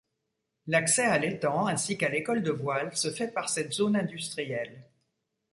L'accès à l'étang, ainsi qu'à l'école de voile, se fait par cette zone industrielle.